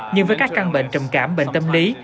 nhưng với các căn bệnh trầm cảm bệnh tâm lý